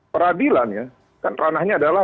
peradilan ya kan ranahnya adalah